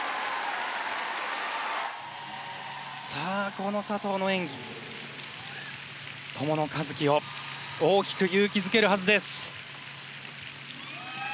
この佐藤の演技は友野一希を大きく勇気づけるはずです。